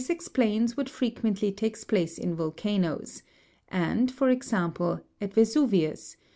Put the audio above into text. explains what frequently takes place in volcanoes, and, for exam ple, at Vesuvius (fig.